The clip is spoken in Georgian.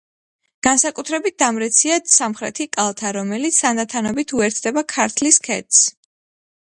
განსაკუთრებით დამრეცია სამხრეთი კალთა, რომელიც თანდათანობით უერთდება ქართლის ქედს.